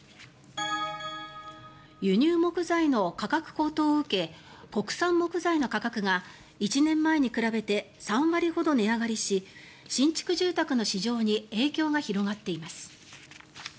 輸入木材の価格高騰を受け国産木材の価格が１年前に比べて３割ほど値上がりし新築住宅の市場に影響が広がっています。